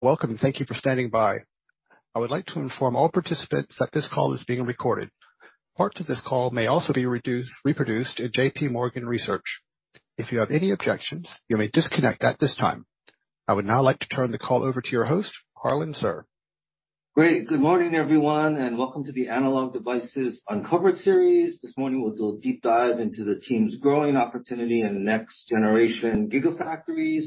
Welcome, thank you for standing by. I would like to inform all participants that this call is being recorded. Parts of this call may also be reproduced at JPMorgan Research. If you have any objections, you may disconnect at this time. I would now like to turn the call over to your host, Harlan Sur. Great. Good morning, everyone, welcome to the Analog Devices Uncovered Series. This morning, we'll do a deep dive into the team's growing opportunity in the next generation gigafactories.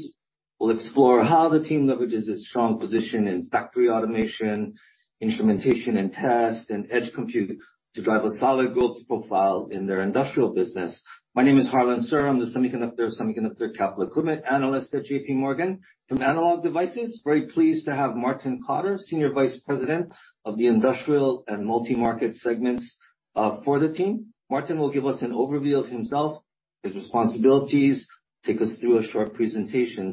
We'll explore how the team leverages its strong position in factory automation, instrumentation and test, and edge compute to drive a solid growth profile in their Industrial business. My name is Harlan Sur. I'm the semiconductor capital equipment analyst at JPMorgan. From Analog Devices, very pleased to have Martin Cotter, Senior Vice President of the Industrial and Multi-Market segments for the team. Martin will give us an overview of himself, his responsibilities, take us through a short presentation.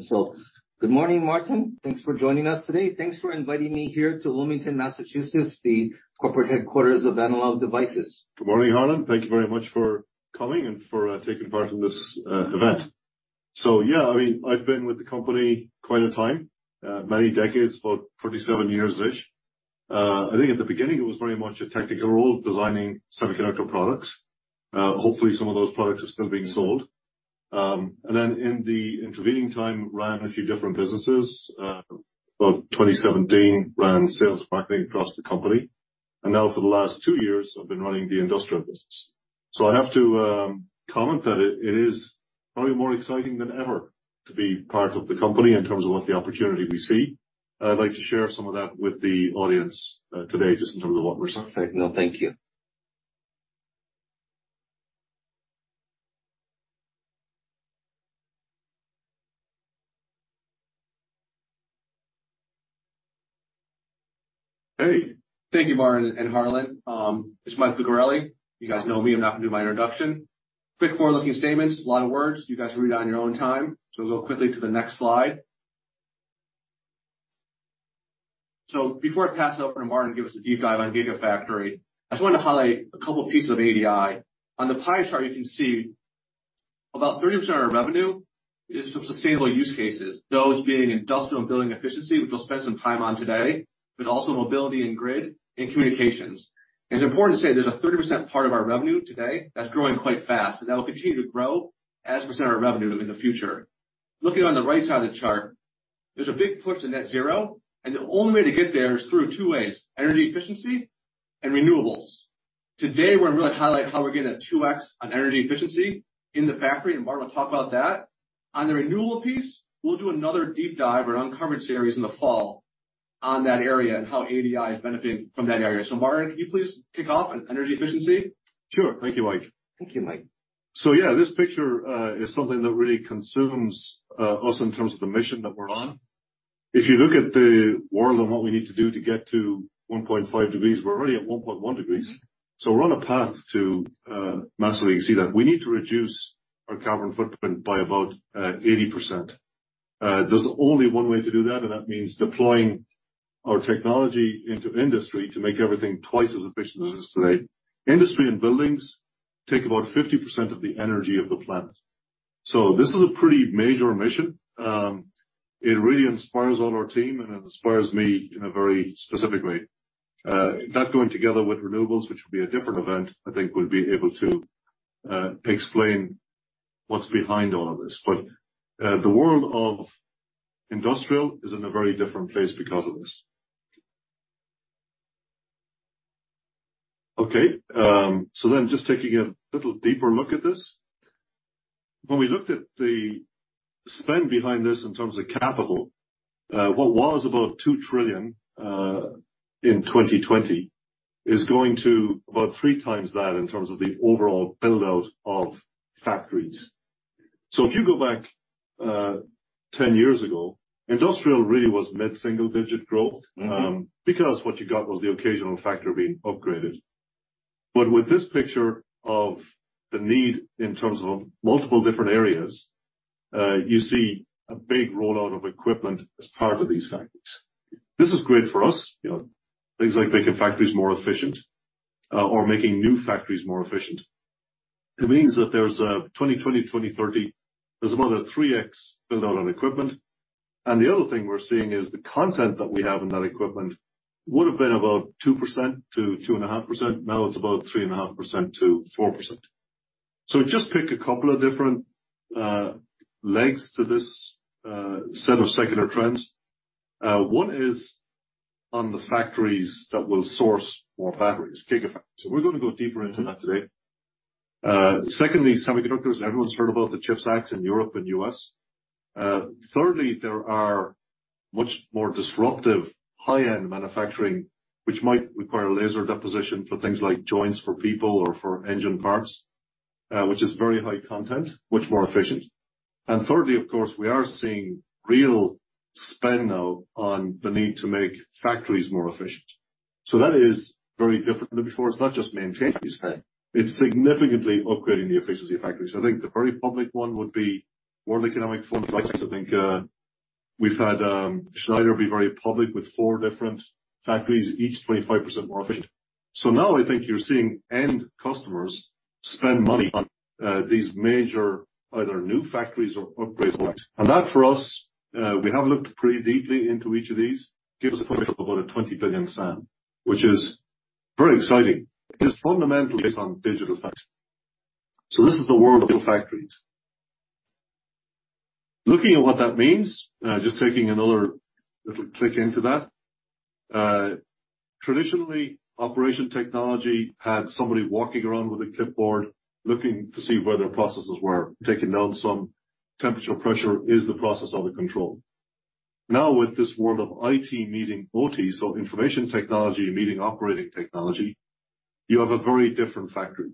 Good morning, Martin. Thanks for joining us today. Thanks for inviting me here to Wilmington, Massachusetts, the corporate headquarters of Analog Devices. Good morning, Harlan Sur. Thank you very much for coming and for taking part in this event. Yeah, I mean, I've been with the company quite a time, many decades, about 37 years-ish. I think at the beginning, it was very much a technical role, designing semiconductor products. Hopefully, some of those products are still being sold. In the intervening time, ran a few different businesses. About 2017, ran sales marketing across the company, and now for the last two years, I've been running the Industrial business. I have to comment that it is probably more exciting than ever to be part of the company in terms of what the opportunity we see. I'd like to share some of that with the audience today, just in terms of what we're seeing. No, thank you. Hey, thank you, Martin and Harlan. It's Mike Lucarelli. You guys know me. I'm not gonna do my introduction. Quick, forward-looking statements, a lot of words. You guys can read on your own time, so we'll go quickly to the next slide. Before I pass it over to Martin to give us a deep dive on Gigafactory, I just wanted to highlight a couple pieces of ADI. On the pie chart, you can see about 30% of our revenue is from sustainable use cases, those being Industrial and building efficiency, which we'll spend some time on today, but also mobility and grid and communications. It's important to say there's a 30% part of our revenue today that's growing quite fast, and that will continue to grow as a percent of our revenue in the future. Looking on the right side of the chart, there's a big push to net zero, and the only way to get there is through two ways: energy efficiency and renewables. Today, we're gonna really highlight how we're getting a 2x on energy efficiency in the factory, and Martin will talk about that. On the renewable piece, we'll do another deep dive or Uncovered Series in the fall on that area and how ADI is benefiting from that area. Martin, can you please kick off on energy efficiency? Sure. Thank you, Mike. Thank you, Mike. Yeah, this picture is something that really consumes us in terms of the mission that we're on. If you look at the world and what we need to do to get to 1.5 degrees, we're already at 1.1 degrees. We're on a path to massively see that. We need to reduce our carbon footprint by about 80%. There's only one way to do that, and that means deploying our technology into industry to make everything twice as efficient as it is today. Industry and buildings take about 50% of the energy of the planet. This is a pretty major mission. It really inspires all our team, and it inspires me in a very specific way. That going together with renewables, which will be a different event, I think we'll be able to explain what's behind all of this. The world of Industrial is in a very different place because of this. Okay, just taking a little deeper look at this. When we looked at the spend behind this in terms of capital, what was about $2 trillion in 2020, is going to about three times that in terms of the overall build-out of factories. If you go back, 10 years ago, Industrial really was mid-single-digit growth- Mm-hmm.... because what you got was the occasional factory being upgraded. With this picture of the need in terms of multiple different areas, you see a big rollout of equipment as part of these factories. This is great for us. You know, things like making factories more efficient, or making new factories more efficient. It means that there's a 2020, 2030, there's about a 3x build-out on equipment. The other thing we're seeing is the content that we have in that equipment would have been about 2% to 2.5%. Now, it's about 3.5% to 4%. Just pick a couple of different legs to this set of secular trends. One is on the factories that will source more batteries, gigafactories. We're gonna go deeper into that today. Secondly, semiconductors. Everyone's heard about the CHIPS Acts in Europe and U.S. Thirdly, there are much more disruptive high-end manufacturing, which might require laser deposition for things like joints for people or for engine parts, which is very high content, much more efficient. Thirdly, of course, we are seeing real spend now on the need to make factories more efficient. That is very different than before. It's not just main changes today. It's significantly upgrading the efficiency of factories. I think the very public one would be World Economic Forum devices. I think, we've had Schneider be very public with four different factories, each 25% more efficient. Now I think you're seeing end customers spend money on these major, either new factories or upgrades. For us, we have looked pretty deeply into each of these, gives us about a $20 billion SAM, which is very exciting. It is fundamentally based on digital facts. This is the world of digital factories. Looking at what that means, just taking another little click into that. Traditionally, operation technology had somebody walking around with a clipboard, looking to see whether processes were taking down some temperature, pressure, is the process under control? Now, with this world of IT meeting OT, so information technology meeting operating technology, you have a very different factory.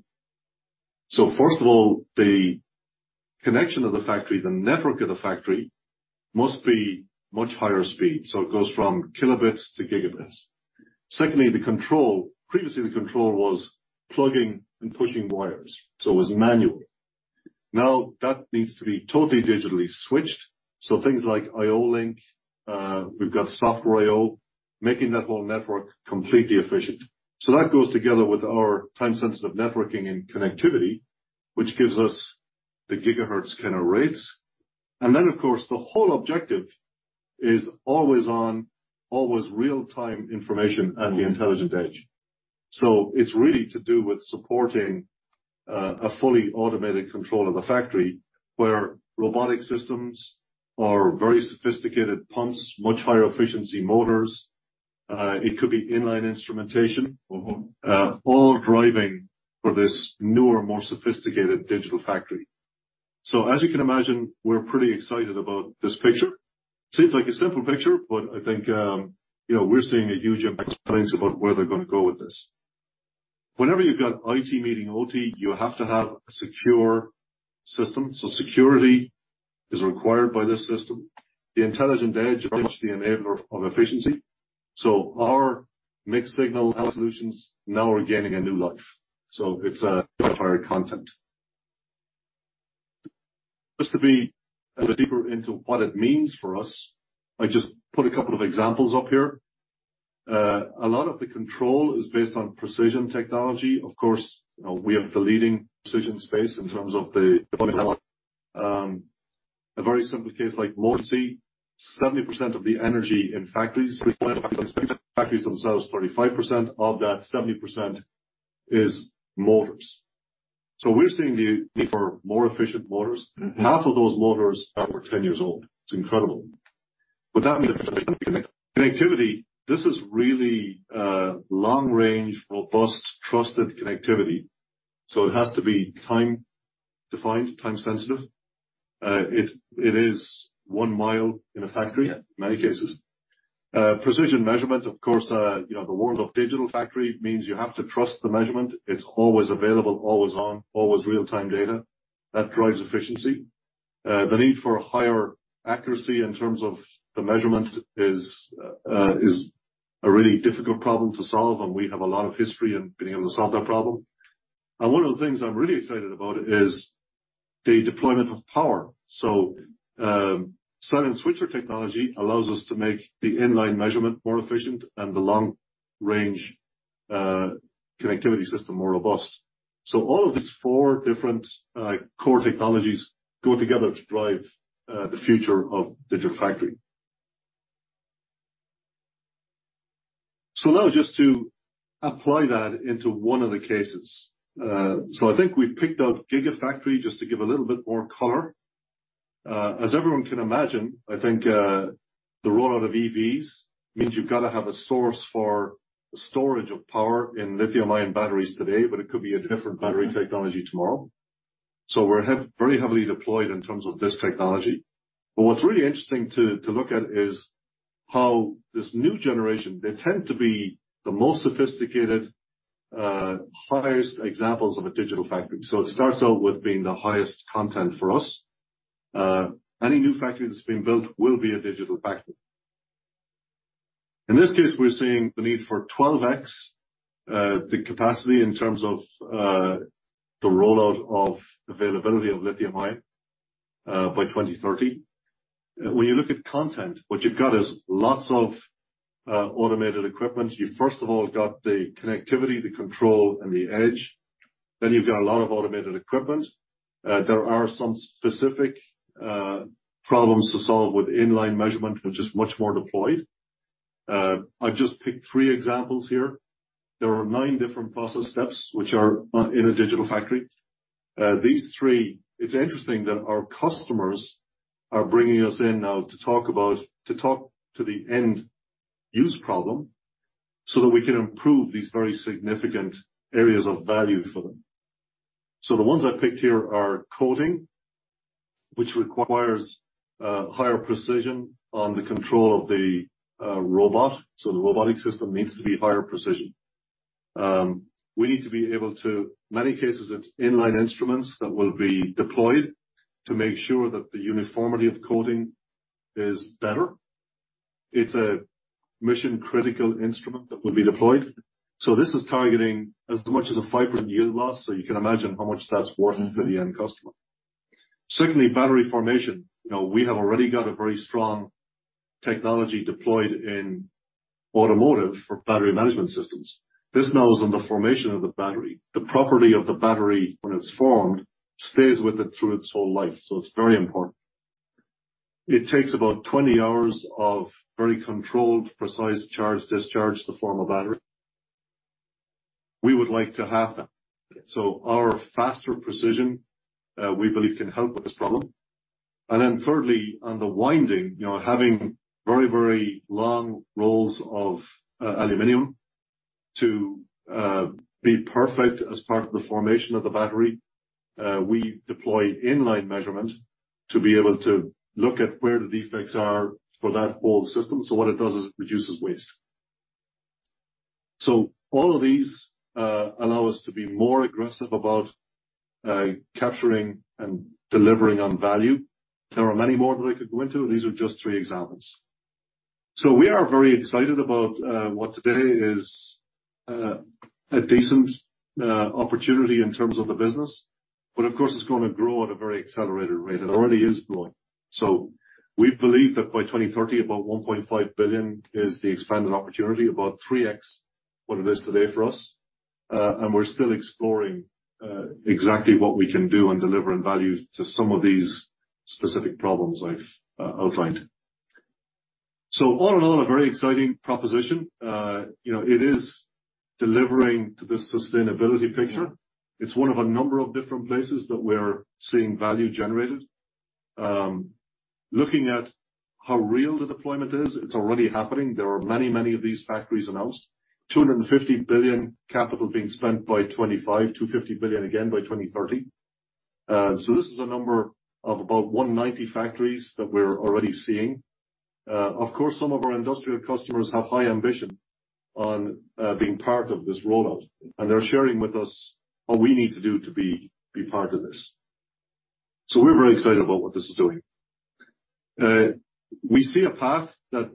The connection of the factory, the network of the factory, must be much higher speed, so it goes from kilobits to gigabits. Secondly, the control. Previously, the control was plugging and pushing wires, so it was manual. That needs to be totally digitally switched, so things like IO-Link, we've got Software I/O, making that whole network completely efficient. That goes together with our Time-Sensitive Networking and connectivity, which gives us the gigahertz kind of rates. Of course, the whole objective is always on, always real-time information and the intelligent edge. It's really to do with supporting a fully automated control of the factory, where robotic systems or very sophisticated pumps, much higher efficiency motors, it could be in-line instrumentation, all driving for this newer, more sophisticated digital factory. As you can imagine, we're pretty excited about this picture. Seems like a simple picture, but I think, you know, we're seeing a huge experience about where they're gonna go with this. Whenever you've got IT meeting OT, you have to have a secure system. Security is required by this system. The intelligent edge, which the enabler of efficiency. Our mixed-signal solutions now are gaining a new life. It's a higher content. Just to be a bit deeper into what it means for us, I just put a couple of examples up here. A lot of the control is based on precision technology. Of course, we have the leading precision space in terms of the. A very simple case like motors. 70% of the energy in factories themselves. 35% of that 70% is motors. We're seeing the need for more efficient motors. Half of those motors are over 10 years old. It's incredible. That means connectivity. This is really long-range, robust, trusted connectivity, so it has to be time-defined, time-sensitive. It is one mile in a factory, in many cases. Precision measurement, of course, you know, the world of digital factory means you have to trust the measurement. It's always available, always on, always real-time data. That drives efficiency. The need for higher accuracy in terms of the measurement is a really difficult problem to solve, and we have a lot of history in being able to solve that problem. One of the things I'm really excited about is the deployment of power. Silent Switcher technology allows us to make the in-line measurement more efficient and the long-range connectivity system more robust. All of these four different core technologies go together to drive the future of digital factory.... employ that into one of the cases. I think we've picked out gigafactory just to give a little bit more color. As everyone can imagine, the rollout of EVs means you've got to have a source for storage of power in lithium-ion batteries today, but it could be a different battery technology tomorrow. So we're very heavily deployed in terms of this technology. But what's really interesting to look at is how this new generation, they tend to be the most sophisticated, highest examples of a digital factory. So it starts out with being the highest content for us. Any new factory that's being built will be a digital factory. In this case, we're seeing the need for 12x the capacity in terms of the rollout of availability of lithium-ion by 2030. When you look at content, what you've got is lots of automated equipment. You first of all, got the connectivity, the control, and the edge. You've got a lot of automated equipment. There are some specific problems to solve with in-line measurement, which is much more deployed. I've just picked three examples here. There are nine different process steps which are on, in a digital factory. These three, it's interesting that our customers are bringing us in now to talk to the end-use problem so that we can improve these very significant areas of value for them. The ones I picked here are coding, which requires higher precision on the control of the robot. The robotic system needs to be higher precision. We need to be able to... Many cases, it's in-line instruments that will be deployed to make sure that the uniformity of coding is better. It's a mission-critical instrument that will be deployed. This is targeting as much as a 5% yield loss, so you can imagine how much that's worth to the end customer. Secondly, battery formation. You know, we have already got a very strong technology deployed in Automotive for battery management systems. This now is on the formation of the battery. The property of the battery, when it's formed, stays with it through its whole life, so it's very important. It takes about 20 hours of very controlled, precise charge, discharge to form a battery. We would like to have that. Our faster precision, we believe, can help with this problem. Thirdly, on the winding, you know, having very, very long rolls of aluminum to be perfect as part of the formation of the battery, we deploy in-line measurement to be able to look at where the defects are for that whole system. What it does is it reduces waste. All of these allow us to be more aggressive about capturing and delivering on value. There are many more that I could go into. These are just three examples. We are very excited about what today is a decent opportunity in terms of the business, but of course, it's going to grow at a very accelerated rate. It already is growing. We believe that by 2030, about $1.5 billion is the expanded opportunity, about 3x what it is today for us. We're still exploring exactly what we can do on delivering value to some of these specific problems I've outlined. All in all, a very exciting proposition. You know, it is delivering to the sustainability picture. It's one of a number of different places that we're seeing value generated. Looking at how real the deployment is, it's already happening. There are many of these factories announced. $250 billion capital being spent by $25 billion-$50 billion again by 2030. This is a number of about 190 factories that we're already seeing. Of course, some of our Industrial customers have high ambition on being part of this rollout, and they're sharing with us what we need to do to be part of this. We're very excited about what this is doing. We see a path that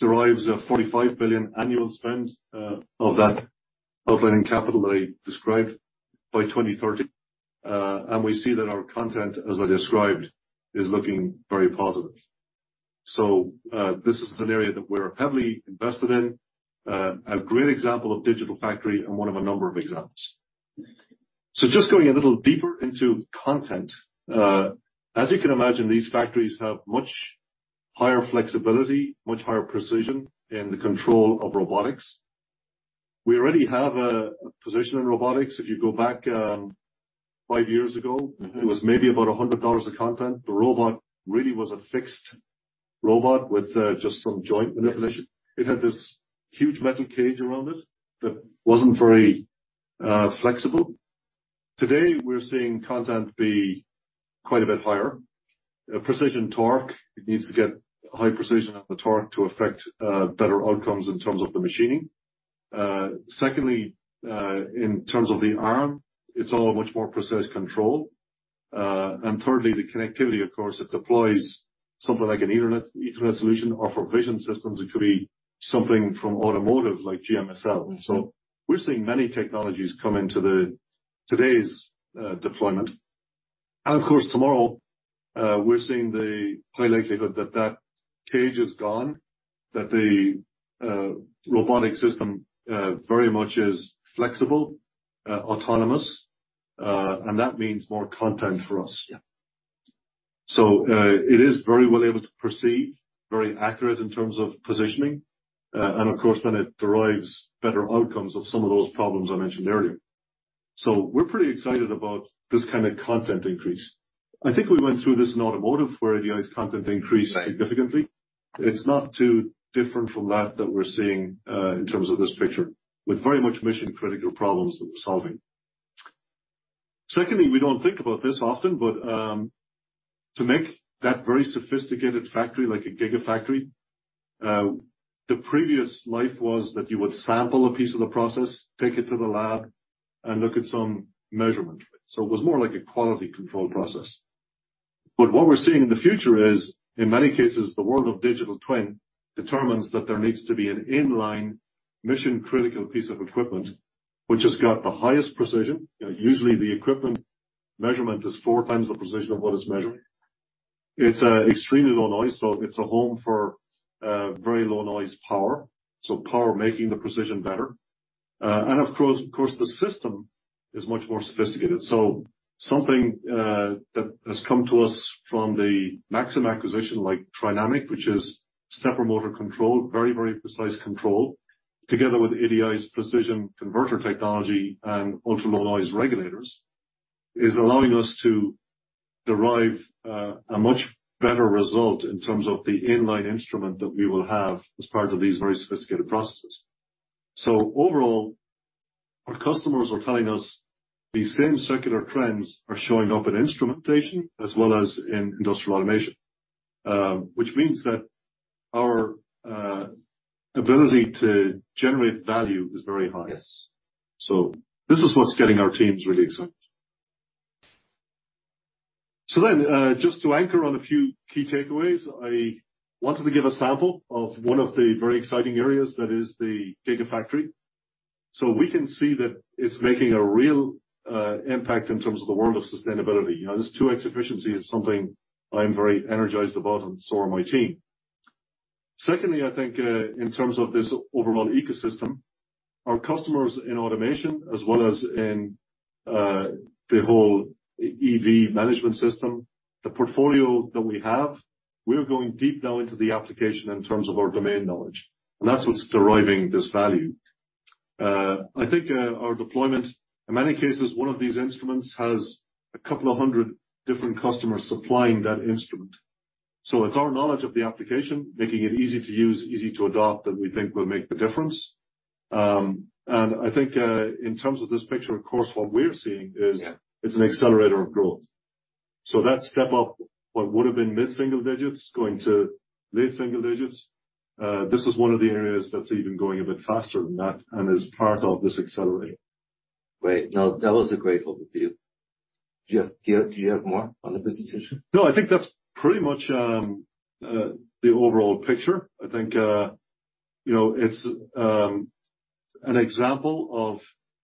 derives a $45 billion annual spend of that opening capital that I described by 2030. We see that our content, as I described, is looking very positive. This is an area that we're heavily invested in. A great example of digital factory and one of a number of examples. Just going a little deeper into content, as you can imagine, these factories have much higher flexibility, much higher precision in the control of robotics. We already have a position in robotics. If you go back, five years ago, it was maybe about $100 of content. The robot really was a fixed robot with just some joint manipulation. It had this huge metal cage around it that wasn't very flexible. Today, we're seeing content be quite a bit higher. Precision torque, it needs to get high precision on the torque to affect better outcomes in terms of the machining. Secondly, in terms of the arm, it's all a much more precise control. Thirdly, the connectivity, of course, it deploys something like an Ethernet solution, or for vision systems, it could be something from Automotive, like GMSL. We're seeing many technologies come into the today's deployment. Of course, tomorrow, we're seeing the high likelihood that that cage is gone, that the robotic system very much is flexible, autonomous, and that means more content for us. Yeah. It is very well able to perceive, very accurate in terms of positioning, and of course, then it derives better outcomes of some of those problems I mentioned earlier. We're pretty excited about this kind of content increase. I think we went through this in Automotive, where ADI's content increased significantly. Right. It's not too different from that we're seeing in terms of this picture, with very much mission-critical problems that we're solving. Secondly, we don't think about this often, but to make that very sophisticated factory like a gigafactory, the previous life was that you would sample a piece of the process, take it to the lab, and look at some measurement. It was more like a quality control process. What we're seeing in the future is, in many cases, the world of digital twin determines that there needs to be an in-line, mission-critical piece of equipment, which has got the highest precision. Usually, the equipment measurement is 4 times the precision of what it's measuring. It's extremely low noise, so it's a home for very low noise power, so power making the precision better. Of course, of course, the system is much more sophisticated. Something that has come to us from the Maxim acquisition, like Trinamic, which is stepper motor control, very, very precise control, together with ADI's precision converter technology and ultra-low noise regulators, is allowing us to derive a much better result in terms of the in-line instrument that we will have as part of these very sophisticated processes. Overall, our customers are telling us these same circular trends are showing up in instrumentation as well as in Industrial automation, which means that our ability to generate value is very high. Yes. This is what's getting our teams really excited. Just to anchor on a few key takeaways, I wanted to give a sample of one of the very exciting areas, that is the gigafactory. We can see that it's making a real impact in terms of the world of sustainability. You know, this 2x efficiency is something I'm very energized about, and so are my team. Secondly, I think, in terms of this overall ecosystem, our customers in automation as well as in the whole EV management system, the portfolio that we have, we are going deep now into the application in terms of our domain knowledge, and that's what's deriving this value. I think, our deployment, in many cases, one of these instruments has a couple of 100 different customers supplying that instrument. It's our knowledge of the application, making it easy to use, easy to adopt, that we think will make the difference. I think, in terms of this picture, of course, what we're seeing is. Yeah. It's an accelerator of growth. That step up, what would have been mid-single digits going to late single digits, this is one of the areas that's even going a bit faster than that and is part of this accelerator. Great. Now, that was a great overview. Do you have more on the presentation? I think that's pretty much the overall picture. I think, you know, it's an example of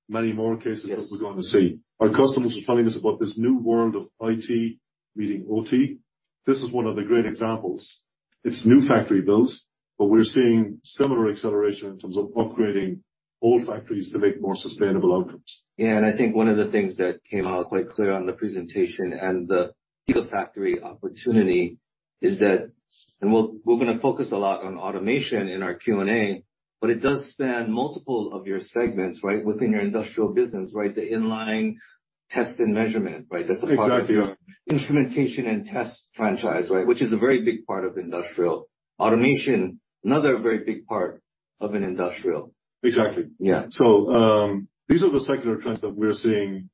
many more cases- Yes. that we're going to see. Our customers are telling us about this new world of IT meeting OT. This is one of the great examples. It's new factory builds, but we're seeing similar acceleration in terms of upgrading old factories to make more sustainable outcomes. I think one of the things that came out quite clear on the presentation and the gigafactory opportunity is that. We're gonna focus a lot on automation in our Q&A, but it does span multiple of your segments, right. Within your Industrial business, right, the in-line test and measurement, right. That's a part of your. Exactly. instrumentation and test franchise, right, which is a very big part of Industrial automation, another very big part of an Industrial. Exactly. Yeah. These are the secular trends that we're seeing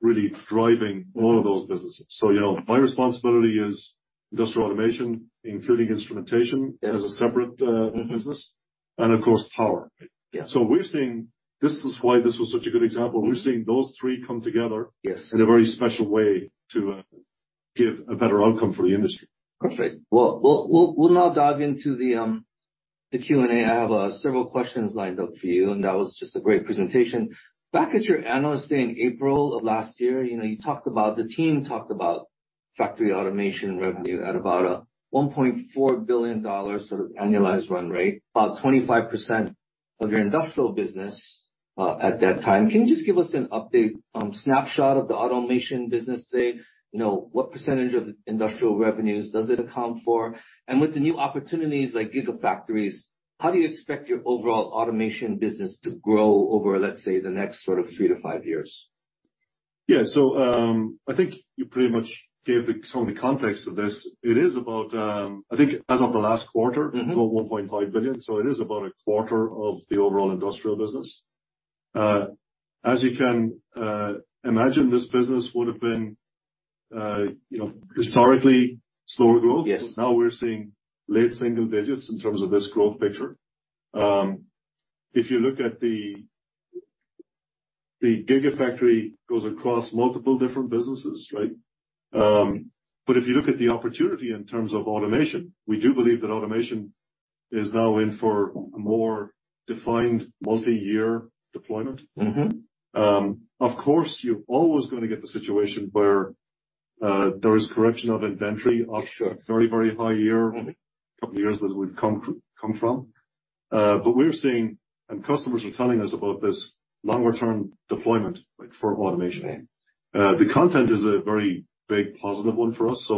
really driving all of those businesses. You know, my responsibility is Industrial automation, including instrumentation- Yes.... as a separate, business, and of course, power. Yeah. This is why this was such a good example. We're seeing those three come together Yes... in a very special way to give a better outcome for the industry. Perfect. Well, we'll now dive into the Q&A. I have several questions lined up for you. That was just a great presentation. Back at your Analyst Day in April of last year, you know, you talked about, the team talked about factory automation revenue at about $1.4 billion sort of annualized run rate, about 25% of your Industrial business at that time. Can you just give us an update snapshot of the automation business, say, you know, what percentage of Industrial revenues does it account for? With the new opportunities like gigafactories, how do you expect your overall automation business to grow over, let's say, the next sort of 3-5 years? Yeah. I think you pretty much gave the, some of the context of this. It is about, I think as of the last quarter- Mm-hmm. $1.5 billion, so it is about a quarter of the overall Industrial business. As you can, imagine, this business would have been, you know, historically slower growth. Yes. We're seeing late single digits in terms of this growth picture. If you look at the gigafactory goes across multiple different businesses, right? If you look at the opportunity in terms of automation, we do believe that automation is now in for a more defined multi-year deployment. Mm-hmm. Of course, you're always gonna get the situation where, there is correction of inventory... Sure. After a very, very high year, couple of years that we've come from. We're seeing, and customers are telling us about this longer term deployment, like, for automation. Yeah. The content is a very big positive one for us,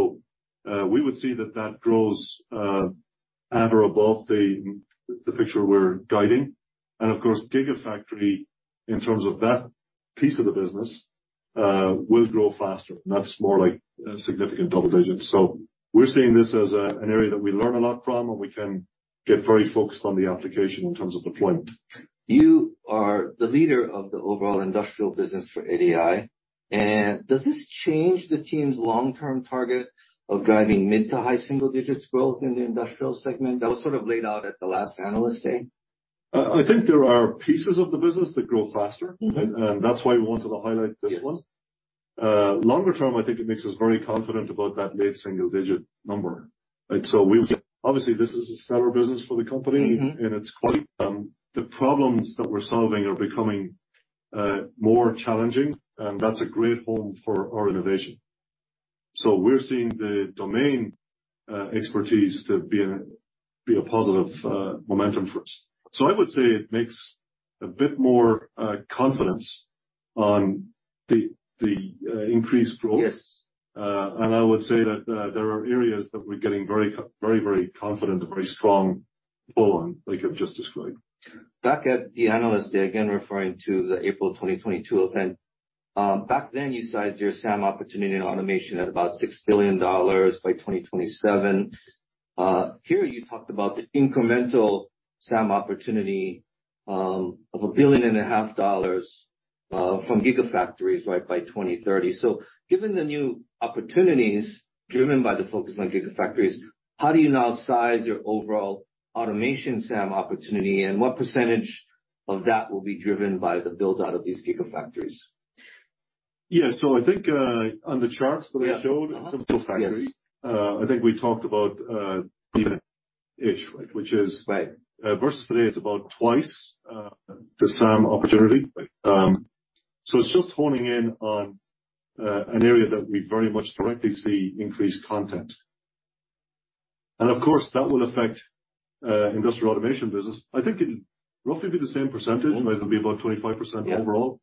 we would see that that grows at or above the picture we're guiding. Of course, gigafactory, in terms of that piece of the business, will grow faster. That's more like a significant double digit. We're seeing this as an area that we learn a lot from, and we can get very focused on the application in terms of deployment. You are the leader of the overall Industrial business for ADI. Does this change the team's long-term target of driving mid to high single digits growth in the Industrial segment? That was sort of laid out at the last Analyst Day. I think there are pieces of the business that grow faster. Mm-hmm. That's why we wanted to highlight this one. Yes. Longer term, I think it makes us very confident about that mid-single digit number. Right, Obviously, this is a stellar business for the company... Mm-hmm. It's quite, the problems that we're solving are becoming more challenging, and that's a great home for our innovation. We're seeing the domain expertise to be a positive momentum for us. I would say it makes a bit more confidence on the increased growth. Yes. I would say that there are areas that we're getting very confident and very strong pull on, like I've just described. Back at the Analyst Day, again, referring to the April 2022 event, back then, you sized your SAM opportunity in automation at about $6 billion by 2027. Here, you talked about the incremental SAM opportunity of $1.5 billion from gigafactories, right, by 2030. Given the new opportunities driven by the focus on gigafactories, how do you now size your overall automation SAM opportunity, and what percent of that will be driven by the build-out of these gigafactories? I think, on the charts that I showed, I think we talked about, ish, right? Right. versus today, it's about twice, the same opportunity. It's just honing in on an area that we very much directly see increased content. Of course, that will affect Industrial automation business. I think it'll roughly be the same percentage. It'll be about 25% overall.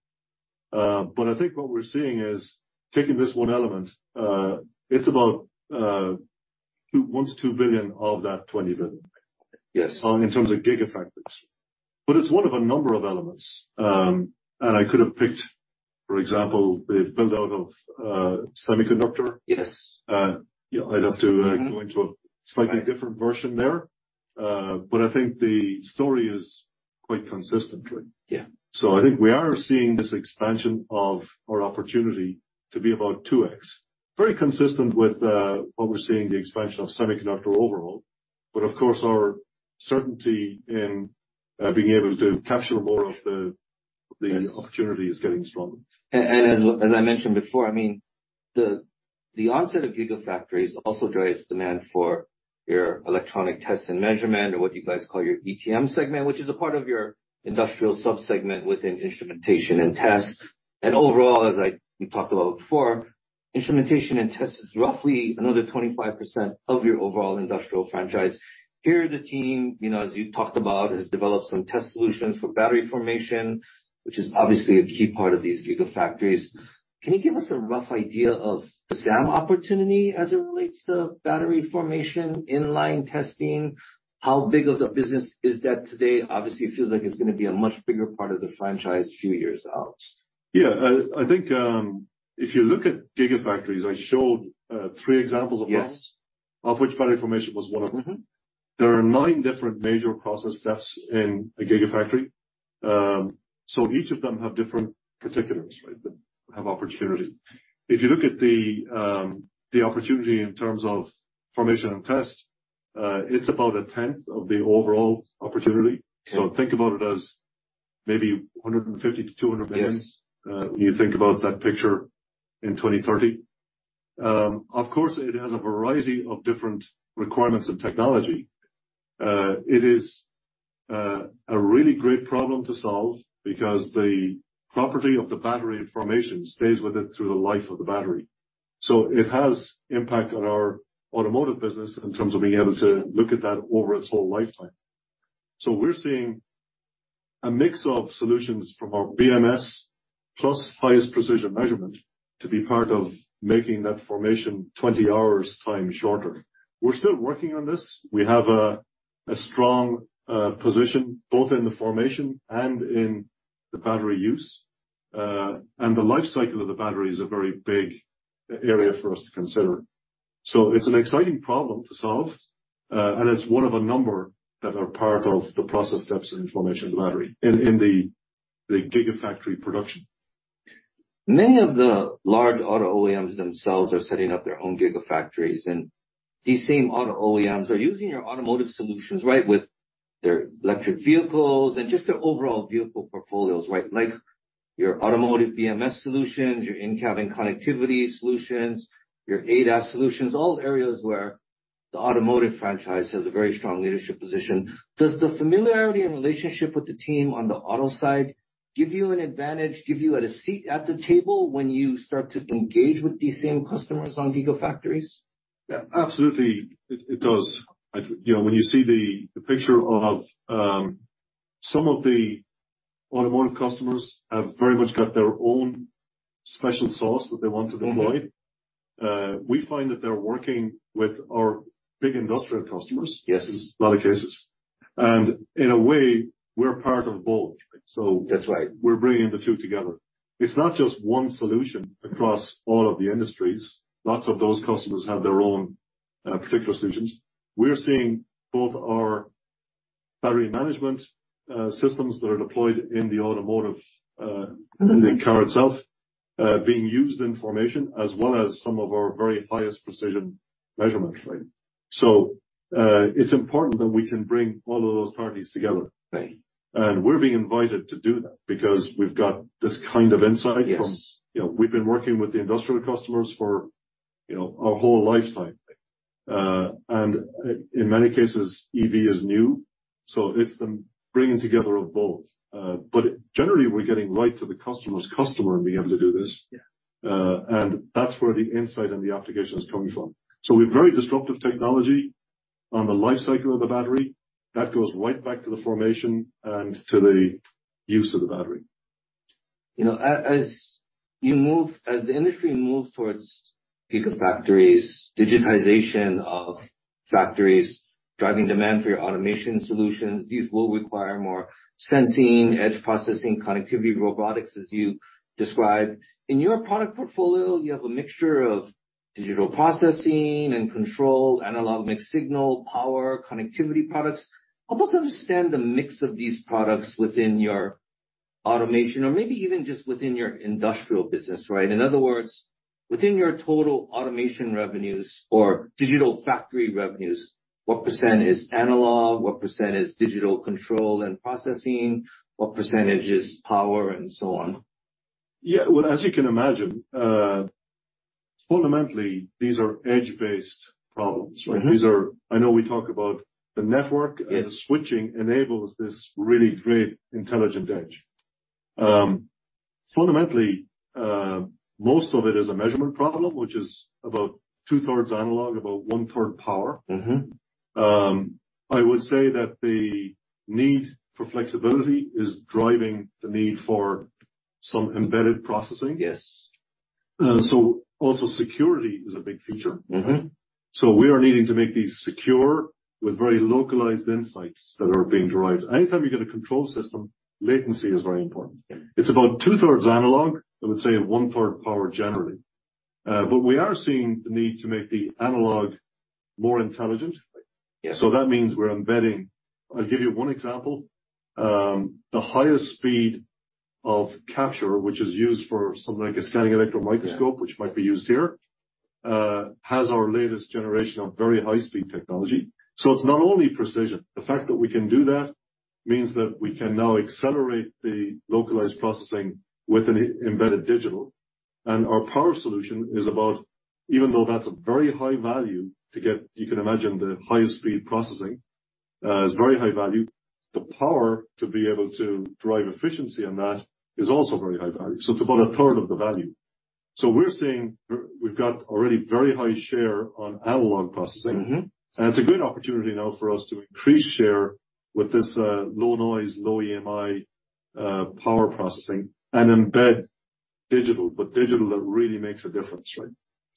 Yeah. I think what we're seeing is, taking this one element, it's about $1 billion-$2 billion of that $20 billion. Yes. In terms of gigafactories. It's one of a number of elements. I could have picked, for example, the build-out of semiconductor. Yes. I'd have to go into a slightly different version there, but I think the story is quite consistent, right? Yeah. I think we are seeing this expansion of our opportunity to be about 2x. Very consistent with what we're seeing, the expansion of semiconductor overall, but of course, our certainty in being able to capture more of the opportunity is getting stronger. As I mentioned before, I mean, the onset of gigafactories also drives demand for your electronic test and measurement, or what you guys call your ETM segment, which is a part of your Industrial sub-segment within instrumentation and test. Overall, as we talked about before, instrumentation and test is roughly another 25% of your overall Industrial franchise. Here, the team, you know, as you talked about, has developed some test solutions for battery formation, which is obviously a key part of these gigafactories. Can you give us a rough idea of the SAM opportunity as it relates to battery formation, in-line testing? How big of a business is that today? Obviously, it feels like it's going to be a much bigger part of the franchise a few years out. Yeah. I think, if you look at gigafactories, I showed three examples of those. Yes. Of which battery formation was one of them. Mm-hmm. There are nine different major process steps in a gigafactory. Each of them have different particulars, right? That have opportunity. If you look at the opportunity in terms of formation and test, it's about a tenth of the overall opportunity. Yeah. Think about it as maybe $150 billion-$200 billion. Yes. Uh, when you think about that picture in 2030. Um, of course, it has a variety of different requirements and technology. Uh, it is, uh, a really great problem to solve because the property of the battery formation stays with it through the life of the battery. So it has impact on our Automotive business in terms of being able to look at that over its whole lifetime. So we're seeing a mix of solutions from our BMS plus highest precision measurement to be part of making that formation twenty hours time shorter. We're still working on this. We have a, a strong, uh, position, both in the formation and in the battery use. Uh, and the life cycle of the battery is a very big area for us to consider. it's an exciting problem to solve, and it's one of a number that are part of the process steps in formation of the battery, in the gigafactory production. Many of the large auto OEMs themselves are setting up their own gigafactories, and these same auto OEMs are using your Automotive solutions, right, with their electric vehicles and just their overall vehicle portfolios, right? Your Automotive BMS solutions, your in-cabin connectivity solutions, your ADAS solutions, all areas where the Automotive franchise has a very strong leadership position. Does the familiarity and relationship with the team on the auto side give you an advantage, give you a seat at the table when you start to engage with these same customers on gigafactories? Yeah, absolutely, it does. You know, when you see the picture of, some of the Automotive customers have very much got their own special sauce that they want to deploy. Mm-hmm. We find that they're working with our big Industrial customers. Yes. in a lot of cases, and in a way, we're part of both. That's right. We're bringing the two together. It's not just one solution across all of the industries. Lots of those customers have their own particular solutions. We're seeing both our battery management systems that are deployed in the Automotive, in the car itself, being used in formation, as well as some of our very highest precision measurements, right? It's important that we can bring all of those parties together. Right. We're being invited to do that because we've got this kind of insight from... Yes. You know, we've been working with the Industrial customers for, you know, our whole lifetime. In many cases, EV is new, so it's the bringing together of both. Generally, we're getting right to the customer's customer and being able to do this. Yeah. That's where the insight and the application is coming from. We have very disruptive technology on the life cycle of the battery. Goes right back to the formation and to the use of the battery. You know, as the industry moves towards gigafactories, digitization of factories, driving demand for your automation solutions, these will require more sensing, edge processing, connectivity, robotics, as you described. In your product portfolio, you have a mixture of digital processing and control, analog mixed signal, power, connectivity products. Help us understand the mix of these products within your automation or maybe even just within your Industrial business, right? In other words. Within your total automation revenues or digital factory revenues, what percent is analog? What percent is digital control and processing? What percent is power and so on? Well, as you can imagine, fundamentally, these are edge-based problems, right? Mm-hmm. I know we talk about the network. Yes. The switching enables this really great intelligent edge. Fundamentally, most of it is a measurement problem, which is about two-thirds analog, about one-third power. Mm-hmm. I would say that the need for flexibility is driving the need for some embedded processing. Yes. Also security is a big feature. Mm-hmm. We are needing to make these secure with very localized insights that are being derived. Anytime you get a control system, latency is very important. Yeah. It's about two-thirds analog, I would say, and one-third power, generally. We are seeing the need to make the analog more intelligent. Yes. That means we're embedding. I'll give you one example. The highest speed of capture, which is used for something like a scanning electron microscope. Yeah. which might be used here, has our latest generation of very high-speed technology. It's not only precision. The fact that we can do that means that we can now accelerate the localized processing with an embedded digital. Our power solution is about, even though that's a very high value to get, you can imagine the highest speed processing, is very high value. The power to be able to drive efficiency on that is also very high value. It's about a third of the value. We're seeing, we've got already very high share on analog processing. Mm-hmm. It's a good opportunity now for us to increase share with this, low noise, low EMI, power processing and embed digital, but digital that really makes a difference, right?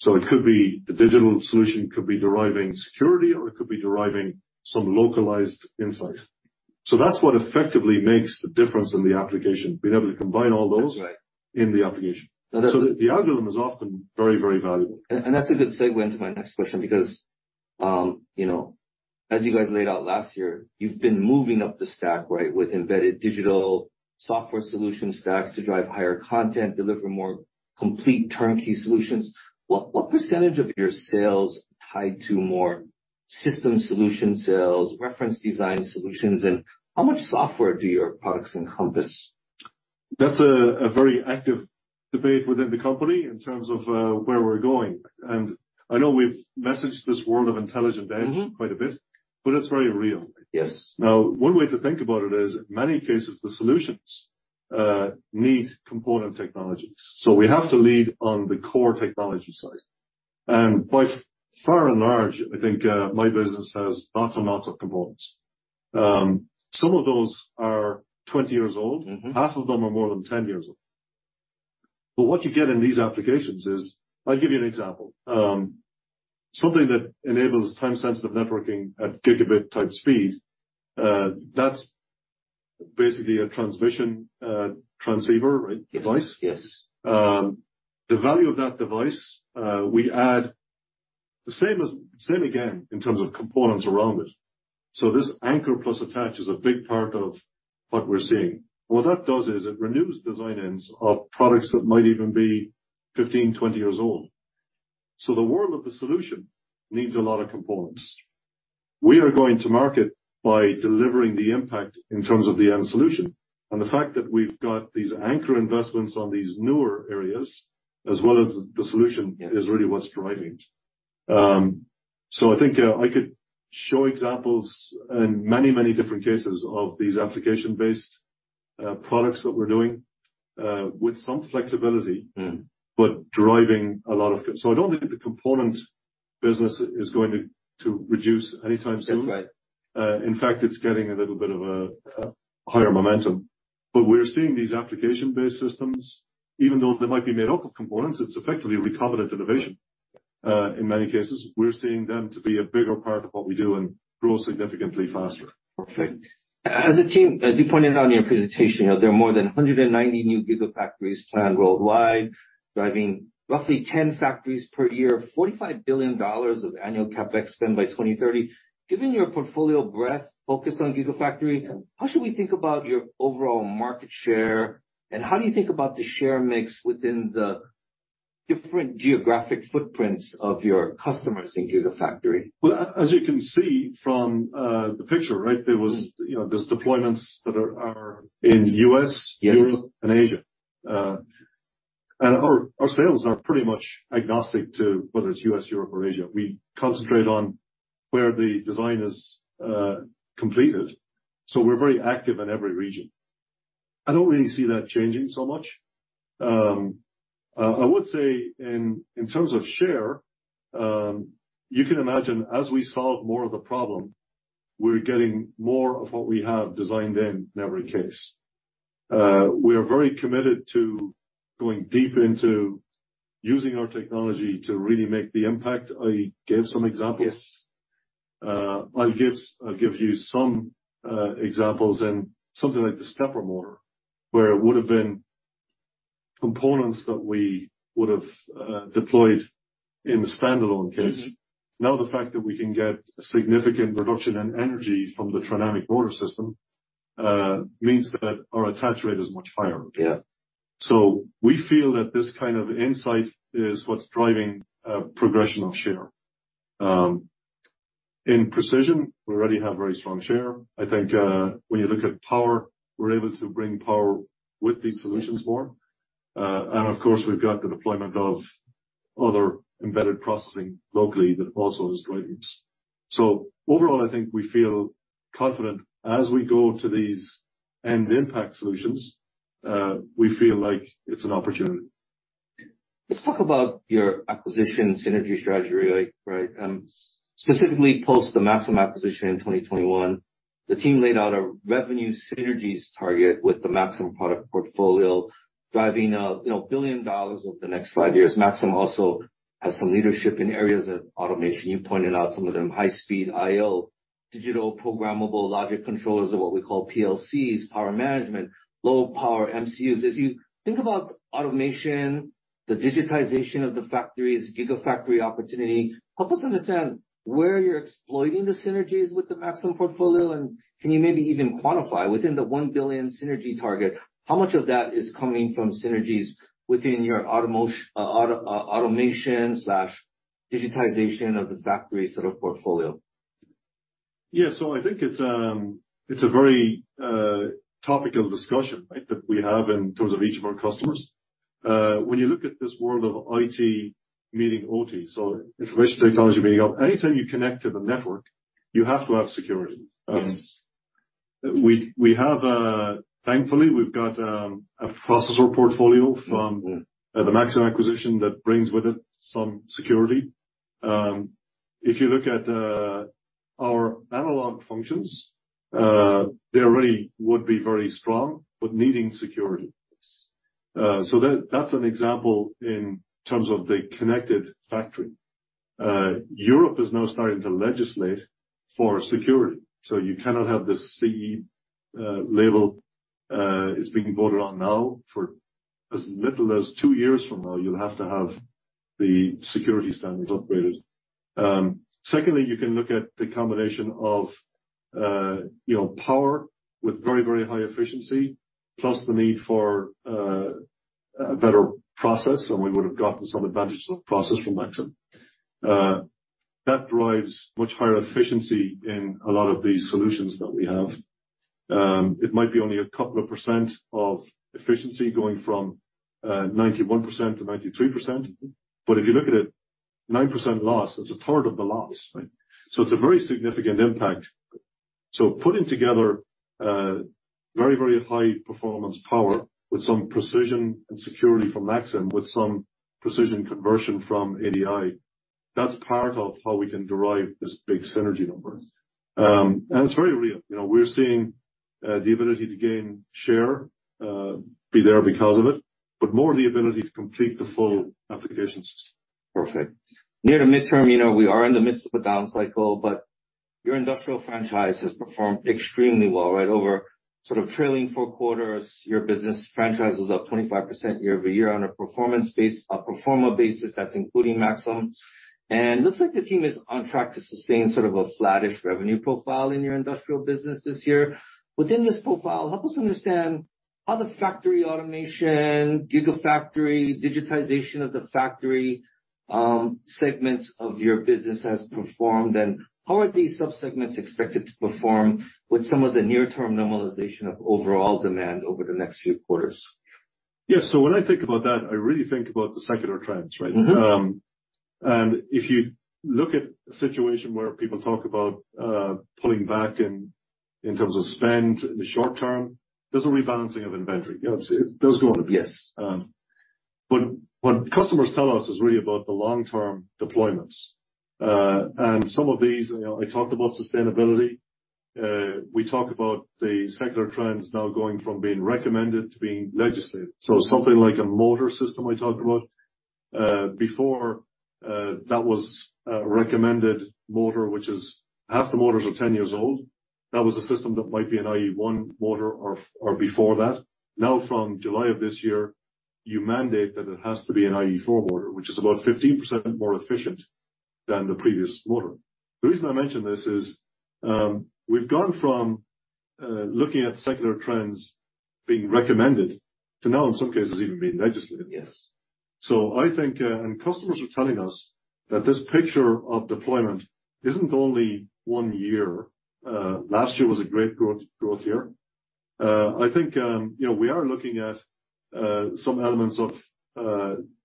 It could be, the digital solution could be deriving security, or it could be deriving some localized insight. That's what effectively makes the difference in the application, being able to combine all those- That's right. in the application. The algorithm is often very valuable. That's a good segue into my next question, because, you know, as you guys laid out last year, you've been moving up the stack, right, with embedded digital software solution stacks to drive higher content, deliver more complete turnkey solutions. What power of your sales tied to more system solution sales, reference design solutions, and how much software do your products encompass? That's a very active debate within the company in terms of where we're going. I know we've messaged this world of intelligent edge. Mm-hmm. Quite a bit, but it's very real. Yes. One way to think about it is, in many cases, the solutions, need component technologies, so we have to lead on the core technology side. By far and large, I think, my business has lots and lots of components. Some of those are 20 years old. Mm-hmm. Half of them are more than 10 years old. What you get in these applications is, I'll give you an example. something that enables Time-Sensitive Networking at gigabit-type speed, that's basically a transmission, transceiver, right, device? Yes. Yes. The value of that device, we add the same as, same again, in terms of components around it. This anchor plus attach is a big part of what we're seeing. What that does is, it renews design ends of products that might even be 15, 20 years old. The world of the solution needs a lot of components. We are going to market by delivering the impact in terms of the end solution. The fact that we've got these anchor investments on these newer areas, as well as the solution- Yeah. -is really what's driving it. I think, I could show examples in many, many different cases of these application-based products that we're doing with some flexibility. Mm. driving a lot of it. I don't think the component business is going to reduce anytime soon. That's right. In fact, it's getting a little bit of a higher momentum. We're seeing these application-based systems, even though they might be made up of components, it's effectively recombinant innovation. In many cases, we're seeing them to be a bigger part of what we do and grow significantly faster. Perfect. As a team, as you pointed out in your presentation, you know, there are more than 190 new gigafactories planned worldwide, driving roughly 10 factories per year, $45 billion of annual CapEx spend by 2030. Given your portfolio breadth focused on gigafactory, how should we think about your overall market share, and how do you think about the share mix within the different geographic footprints of your customers in gigafactory? Well, as you can see from, the picture, right, there was, you know, there's deployments that are in U.S.-. Yes. -Europe and Asia. Our sales are pretty much agnostic to whether it's U.S., Europe or Asia. We concentrate on where the design is completed, so we're very active in every region. I don't really see that changing so much. I would say in terms of share, you can imagine, as we solve more of the problem, we're getting more of what we have designed in every case. We are very committed to going deep into using our technology to really make the impact. I gave some examples. Yes. I'll give you some examples and something like the stepper motor, where it would have been components that we would have deployed in a standalone case. Mm-hmm. Now, the fact that we can get significant reduction in energy from the Trinamic motor system-... means that our attach rate is much higher. Yeah. We feel that this kind of insight is what's driving progression of share. In precision, we already have very strong share. I think when you look at power, we're able to bring power with these solutions more. And of course, we've got the deployment of other embedded processing locally that also is driving this. Overall, I think we feel confident as we go to these end impact solutions, we feel like it's an opportunity. Let's talk about your acquisition synergy strategy, right? Specifically, post the Maxim acquisition in 2021, the team laid out a revenue synergies target with the Maxim product portfolio, driving a, you know, $1 billion over the next five years. Maxim also has some leadership in areas of automation. You pointed out some of them, high-speed I/O, digital programmable logic controllers, or what we call PLCs, power management, low power MCUs. As you think about automation, the digitization of the factories, gigafactory opportunity, help us understand where you're exploiting the synergies with the Maxim portfolio, and can you maybe even quantify within the $1 billion synergy target, how much of that is coming from synergies within your automation/digitization of the factory sort of portfolio? Yeah, I think it's a very topical discussion, right, that we have in terms of each of our customers. When you look at this world of IT meeting OT, so information technology meeting up, anytime you connect to the network, you have to have security. Yes. We have, thankfully, we've got a processor portfolio from the Maxim acquisition that brings with it some security. If you look at our analog functions, they already would be very strong, but needing security. That, that's an example in terms of the connected factory. Europe is now starting to legislate for security, so you cannot have the CE label. It's being voted on now. For as little as two years from now, you'll have to have the security standards upgraded. Secondly, you can look at the combination of, you know, power with very, very high efficiency, plus the need for a better process, and we would have gotten some advantage of the process from Maxim. That drives much higher efficiency in a lot of these solutions that we have. It might be only a couple of percent of efficiency going from 91%-93%, but if you look at it, 9% loss, it's a third of the loss, right? It's a very significant impact. Putting together, very, very high performance power with some precision and security from Maxim, with some precision conversion from ADI, that's part of how we can derive this big synergy number. It's very real. You know, we're seeing, the ability to gain share, be there because of it, but more the ability to complete the full application system. Perfect. Near to midterm, you know, we are in the midst of a down cycle, but your Industrial franchise has performed extremely well, right over sort of trailing four quarters. Your business franchise is up 25% year-over-year on a pro forma basis, that's including Maxim. Looks like the team is on track to sustain sort of a flattish revenue profile in your Industrial business this year. Within this profile, help us understand how the factory automation, gigafactory, digitization of the factory, segments of your business has performed, and how are these subsegments expected to perform with some of the near term normalization of overall demand over the next few quarters? Yes. When I think about that, I really think about the secular trends, right? Mm-hmm. If you look at a situation where people talk about pulling back in terms of spend in the short term, there's a rebalancing of inventory. You know, it does go up. Yes. What customers tell us is really about the long-term deployments. Some of these, you know, I talked about sustainability. We talked about the secular trends now going from being recommended to being legislated. Something like a motor system I talked about before, that was a recommended motor, which is half the motors are 10 years old. That was a system that might be an IE1 motor or before that. From July of this year, you mandate that it has to be an IE4 motor, which is about 15% more efficient than the previous motor. The reason I mention this is, we've gone from looking at secular trends being recommended to now, in some cases, even being legislated. Yes. I think, and customers are telling us that this picture of deployment isn't only one year. Last year was a great growth year. I think, you know, we are looking at, some elements of,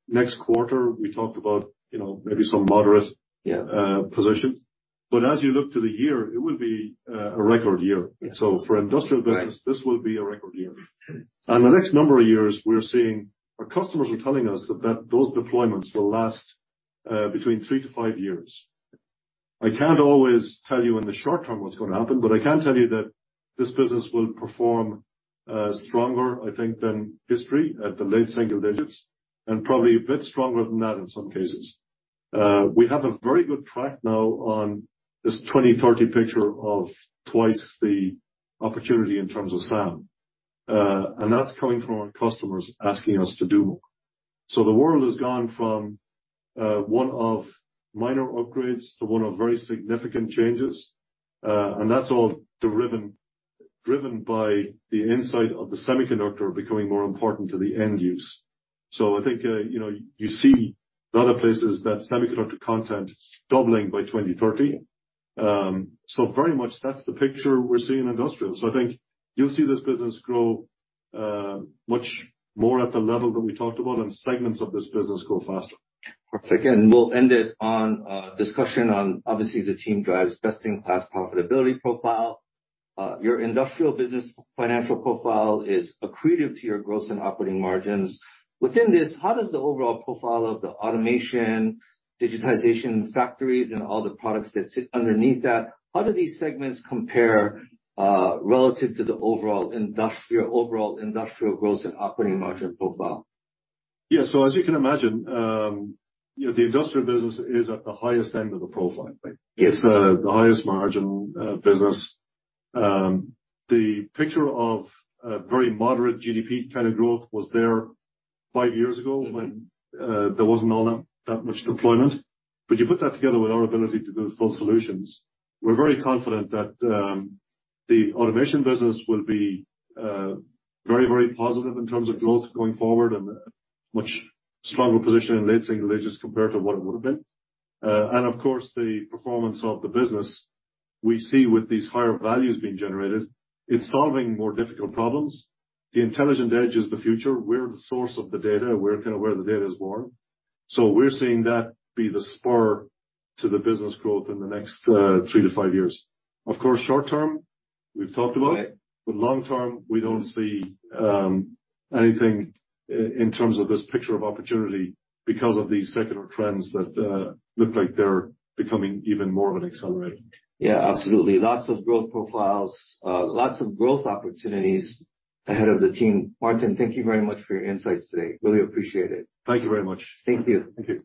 next quarter. We talked about, you know, maybe some. Yeah... position. As you look to the year, it will be a record year. Yeah. for Industrial business- Right This will be a record year. Okay. The next number of years, our customers are telling us that those deployments will last between 3-5 years. I can't always tell you in the short term what's going to happen, but I can tell you that this business will perform stronger, I think, than history at the late single digits, and probably a bit stronger than that in some cases. We have a very good track now on this 2030 picture of twice the opportunity in terms of SAM, and that's coming from our customers asking us to do more. The world has gone from one of minor upgrades to one of very significant changes. And that's all driven by the insight of the semiconductor becoming more important to the end use. I think, you know, you see a lot of places that semiconductor content doubling by 2030. Very much that's the picture we're seeing in Industrial. I think you'll see this business grow, much more at the level that we talked about, and segments of this business grow faster. Perfect. We'll end it on discussion on obviously, the team drives best-in-class profitability profile. Your Industrial business financial profile is accretive to your gross and operating margins. Within this, how does the overall profile of the automation, digitization factories, and all the products that sit underneath that, how do these segments compare relative to the overall Industrial gross and operating margin profile? Yeah. As you can imagine, you know, the Industrial business is at the highest end of the profile. Yes. It's the highest margin business. The picture of a very moderate GDP kind of growth was there five years ago when there wasn't that much deployment. You put that together with our ability to build full solutions, we're very confident that the automation business will be very, very positive in terms of growth going forward and much stronger position in late single digits compared to what it would have been. Of course, the performance of the business we see with these higher values being generated, it's solving more difficult problems. The intelligent edge is the future. We're the source of the data. We're kind of where the data is born. We're seeing that be the spur to the business growth in the next 3-5 years. Of course, short term, we've talked about it. Right. Long term, we don't see anything in terms of this picture of opportunity because of these secular trends that look like they're becoming even more of an accelerator. Yeah, absolutely. Lots of growth profiles, lots of growth opportunities ahead of the team. Martin, thank you very much for your insights today. Really appreciate it. Thank you very much. Thank you. Thank you.